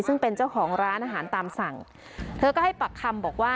ซึ่งเป็นเจ้าของร้านอาหารตามสั่งเธอก็ให้ปักคำบอกว่า